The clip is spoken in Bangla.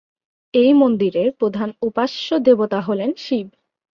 এই মন্দিরের প্রধান উপাস্য দেবতা হলেন শিব।